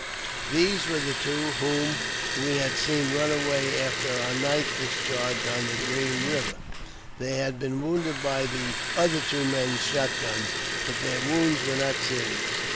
These were the two whom we had seen run away after our night discharge on the Green Eiver. They had been wounded by the other two men's shot guns, but their wounds were not serious.